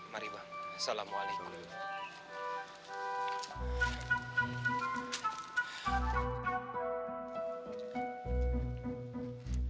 mari bang salamualaikum